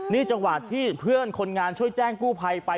นี่จังหวะที่เพื่อนคนงานช่วยแจ้งกู้ภัยไป